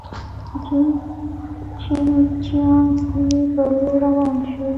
جین چنګ جیانګ سیمې پر لور روان شوو.